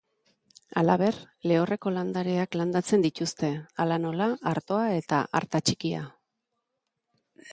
Halaber, lehorreko landareak landatzen dituzte, hala nola, artoa eta artatxikia.